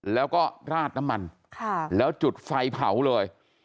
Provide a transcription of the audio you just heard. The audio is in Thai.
แล้วก็ราดน้ำมันแล้วจุดไฟเผาเลย